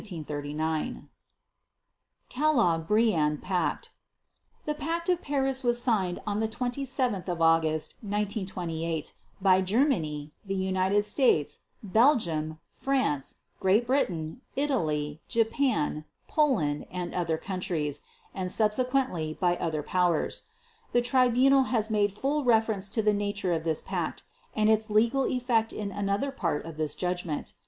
Kellogg Briand Pact The Pact of Paris was signed on 27 August 1928 by Germany, the United States, Belgium, France, Great Britain, Italy, Japan, Poland, and other countries; and subsequently by other Powers. The Tribunal has made full reference to the nature of this Pact and its legal effect in another part of this judgment.